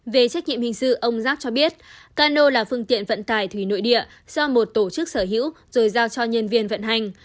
về trách nhiệm hình sự ông giáp cho biết cano là phương tiện vận tải thủy nội địa do một tổ chức sở hữu rồi giao cho nhân viên vận hành